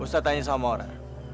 ustadz tanya sama maura